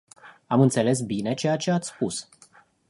Am înțeles bine ceea ce ați spus?